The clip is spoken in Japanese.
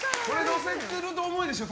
乗せると思いでしょう。